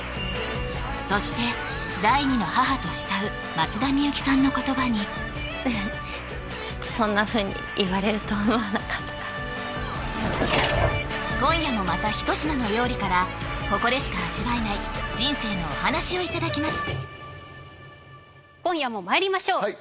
そして第二の母と慕う松田美由紀さんの言葉にちょっとそんなふうに言われると思わなかったから今夜もまた一品の料理からここでしか味わえない人生のお話をいただきます